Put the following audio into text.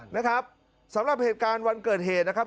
นะครับสำหรับเหตุการณ์วันเกิดเหตุนะครับ